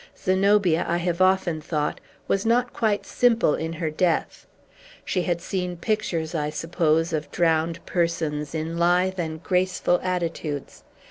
Zenobia, I have often thought, was not quite simple in her death. She had seen pictures, I suppose, of drowned persons in lithe and graceful attitudes.